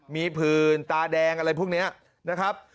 มีผื่นตาแดงอะไรพวกนี้นะครับ